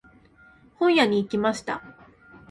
本屋に行きました。